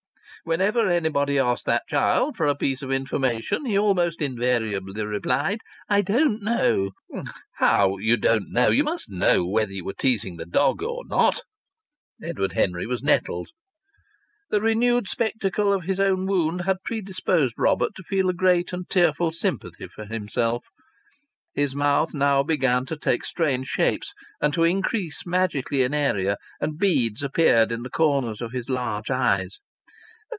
Whenever anybody asked that child for a piece of information he almost invariably replied, "I don't know." "How you don't know? You must know whether you were teasing the dog or not!" Edward Henry was nettled. The renewed spectacle of his own wound had predisposed Robert to feel a great and tearful sympathy for himself. His mouth now began to take strange shapes and to increase magically in area, and beads appeared in the corners of his large eyes.